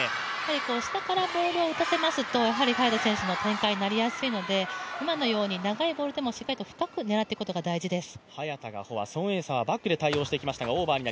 下からボールを打たせますと早田選手の展開になりやすいので今のように長いボールでもしっかりと深く狙っていくことが大事です。